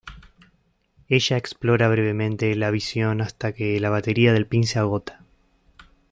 Ella explora brevemente la visión hasta que la batería del pin se agota.